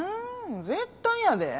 絶対やで。